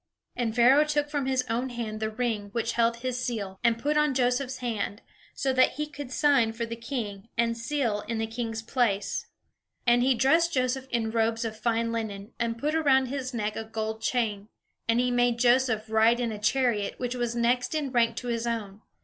And Pharaoh took from his own hand the ring which held his seal, and put on Joseph's hand, so that he could sign for the king, and seal in the king's place. And he dressed Joseph in robes of fine linen, and put around his neck a gold chain. And he made Joseph ride in a chariot which was next in rank to his own.